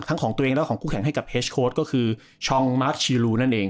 ทั้งของตัวเองแล้วของคู่แข่งให้กับเฮจโค้ชก็คือช่องนั่นเอง